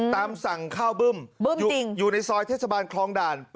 ตามสั่งข้าวบึ้มอยู่ในซอยเทศบาลคลองด่าน